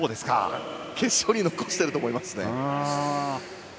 決勝に残していると思います。